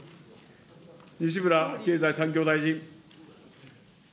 西村経済産業大臣。